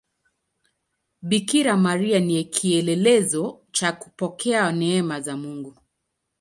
Bikira Maria ni kielelezo cha kupokea neema za Mungu.